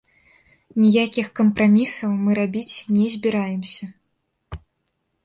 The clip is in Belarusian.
Ніякіх кампрамісаў мы рабіць не збіраемся.